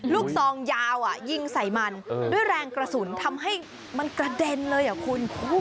ซองยาวยิงใส่มันด้วยแรงกระสุนทำให้มันกระเด็นเลยอ่ะคุณ